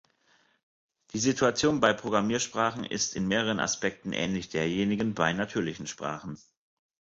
Die Situation bei Programmiersprachen ist in mehreren Aspekten ähnlich derjenigen bei natürlichen Sprachen.